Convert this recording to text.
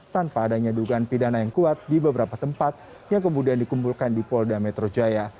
tanpa adanya dugaan pidana yang kuat di beberapa tempat yang kemudian dikumpulkan di polda metro jaya